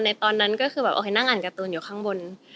ตอนนั้นก็คือแบบโอเคนั่งอ่านการ์ตูนอยู่ข้างบน